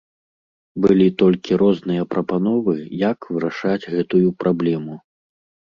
Былі толькі розныя прапановы, як вырашаць гэтую праблему.